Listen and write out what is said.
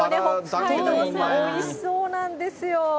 アスパラおいしそうなんですよ。